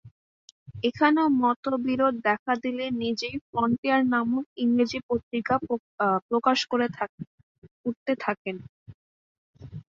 এখানেও মতবিরোধ দেখা দিলে নিজেই ফ্রন্টিয়ার নামক ইংরেজি পত্রিকা প্রকাশ করতে থাকেন।